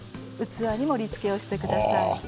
器に盛りつけをしてください。